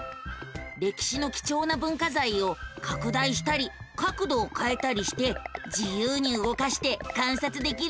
歴史の貴重な文化財を拡大したり角度をかえたりして自由に動かして観察できるのさ。